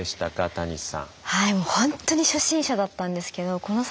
谷さん。